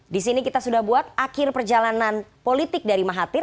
di sini kita sudah buat akhir perjalanan politik dari mahathir